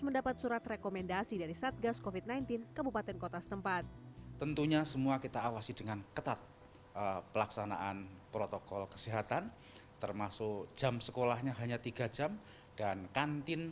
merupakan prioritas utama dalam meresapkan kebijakan pembelajaran